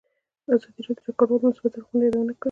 ازادي راډیو د کډوال د مثبتو اړخونو یادونه کړې.